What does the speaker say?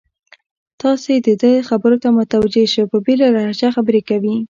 تاسې د ده خبرو ته متوجه شئ، په بېله لهجه خبرې کوي.